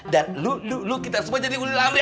dan lu kita semua jadi ulil amri